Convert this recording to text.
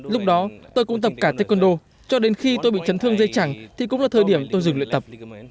lúc đó tôi cũng tập cả taekwondo cho đến khi tôi bị chấn thương dây chẳng thì cũng là thời điểm tôi dừng luyện tập